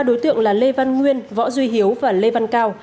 ba đối tượng là lê văn nguyên võ duy hiếu và lê văn cao